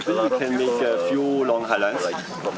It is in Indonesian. kita saling berbagi ilmu mengenai highline sendiri